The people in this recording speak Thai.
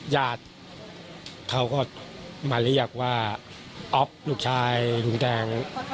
ญาติเขาก็มาเรียกว่าอ๊อฟลูกชายลุงแดง